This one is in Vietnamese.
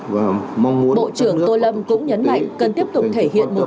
bộ trưởng tô lâm cũng nhấn mạnh cần tiếp tục thể hiện